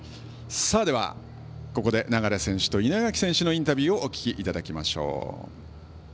ではここで流選手と稲垣選手のインタビューをお聞きいただきましょう。